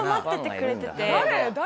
誰？